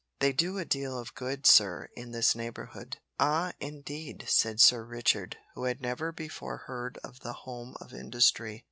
They do a deal of good, sir, in this neighbourhood." "Ah! indeed," said Sir Richard, who had never before heard of the Home of Industry.